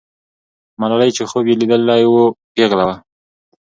ملالۍ چې خوب یې لیدلی وو، پیغله وه.